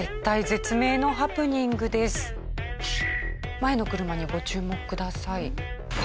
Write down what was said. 前の車にご注目ください。